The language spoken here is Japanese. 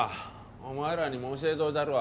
お前らにも教えといたるわ。